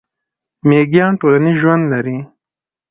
میږیان ټولنیز ژوند لري